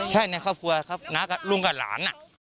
แค่ในครอบครัวครับลุงกับหลาน